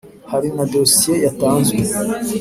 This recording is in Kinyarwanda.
Hari na dosiye yatanzwe